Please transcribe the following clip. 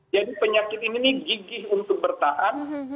jadi penyakit ini gigih untuk bertahan